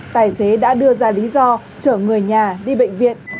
tài xế đã đưa ra lý do chở người nhà đi bệnh viện